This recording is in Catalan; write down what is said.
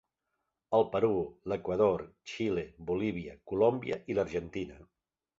El Perú, l'Equador, Xile, Bolívia, Colòmbia i l'Argentina.